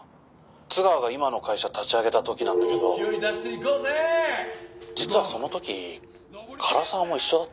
「津川が今の会社立ち上げた時なんだけど実はその時唐沢も一緒だったんだよ」